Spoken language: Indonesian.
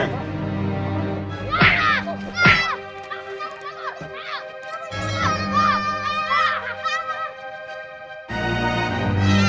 terima kasih sudah melihat video